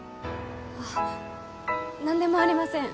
あっ何でもありません。